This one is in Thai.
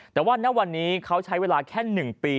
แต่ว่าณวันนี้เขาใช้เวลาแค่๑ปี